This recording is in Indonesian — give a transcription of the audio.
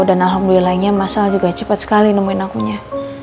dan alhamdulillahnya mas al juga cepet sekali nemuin akunya